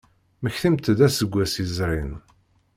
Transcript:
Mmektimt-d aseggas yezrin.